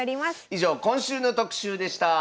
以上今週の特集でした。